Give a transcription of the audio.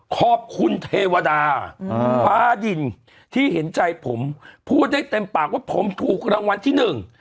ขอบคุณเทวดาอืมฟ้าดินที่เห็นใจผมพูดได้เต็มปากว่าผมถูกรางวัลที่หนึ่ง